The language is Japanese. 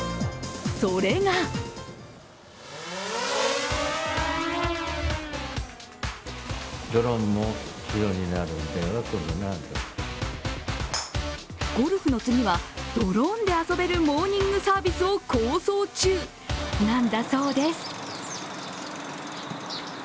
それがゴルフの次は、ドローンで遊べるモーニングサービスを構想中なんだそうです。